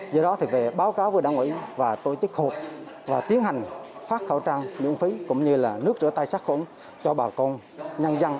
do đó thì về báo cáo vừa đăng ủy và tôi tích hộp và tiến hành phát khẩu trang nguyện phí cũng như là nước rửa tay sát khốn cho bà con nhân dân